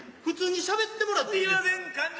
普通にしゃべってもらっていいですか。